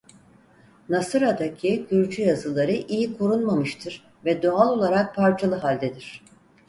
Nasıra'daki Gürcü yazıları iyi korunmamıştır ve doğal olarak parçalı haldedir.